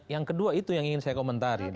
yang kedua itu yang ingin saya komentari